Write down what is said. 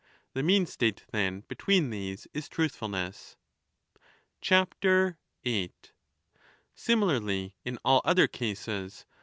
The mean state, then, between these is truthfulness. Similarly in all other cases.